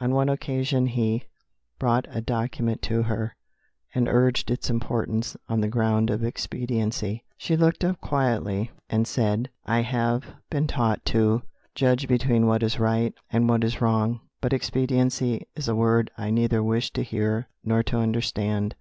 On one occasion he brought a document to her, and urged its importance on the ground of expediency. She looked up quietly, and said, "I have been taught to judge between what is right and what is wrong; but 'expediency' is a word I neither wish to hear nor to understand."